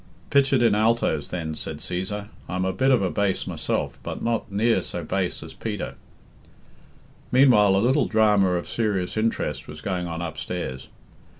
"Pitch it in altoes, then," said Cæsar. "I'm a bit of a base myself, but not near so base as Peter." Meanwhile a little drama of serious interest was going on upstairs.